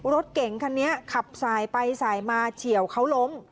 รถเก่งคันนี้ขับสายไปสายมาเฉียวเขาล้ม